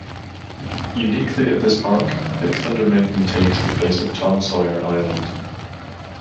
Uniquely at this park, Big Thunder Mountain takes the place of Tom Sawyer Island.